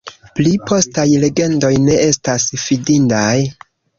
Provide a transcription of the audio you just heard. Pli postaj legendoj ne estas fidindaj.